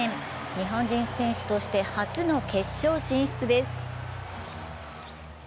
日本人選手として初の決勝進出です。